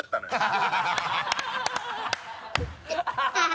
ハハハ